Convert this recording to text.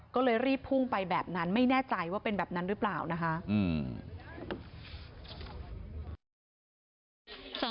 ก็เลยรีบพุ่งไปแบบนั้นไม่แน่ใจว่าเป็นแบบนั้นหรือเปล่านะคะ